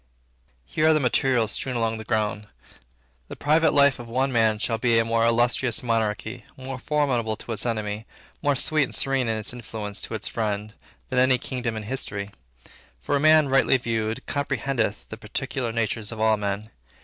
Here are the materials strown along the ground. The private life of one man shall be a more illustrious monarchy, more formidable to its enemy, more sweet and serene in its influence to its friend, than any kingdom in history. For a man, rightly viewed, comprehendeth the particular natures of all men.